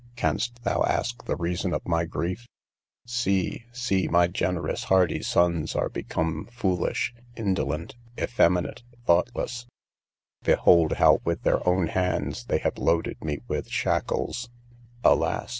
Canst thou ask the reason of my grief? See, see, my generous hardy sons are become foolish, indolent, effeminate, thoughtless; behold, how with their own hands they have loaded me with shackles: alas!